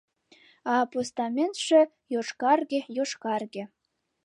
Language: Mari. А постаментше — йошкарге-йошкарге.